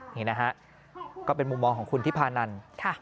นี่นะฮะก็เป็นมุมมองของคุณทิพานัน